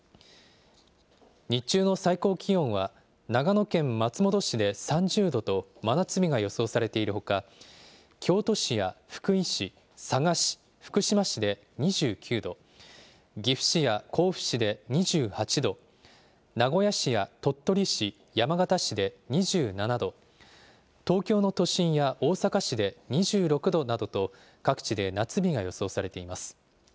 日中の最高気温は長野県松本市で３０度と、真夏日が予想されているほか、京都市や福井市、佐賀市、福島市で２９度、岐阜市や甲府市で２８度、名古屋市や鳥取市、山形市で２７度、東京の都心や大阪市で２６度などと、各地で夏日が予想されています。